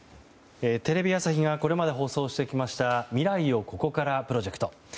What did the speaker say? テレビ朝日がこれまで放送してきました未来をここからプロジェクト。